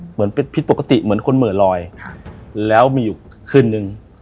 เหมือนเป็นผิดปกติเหมือนคนเหมือลอยแล้วมีอยู่คืนนึง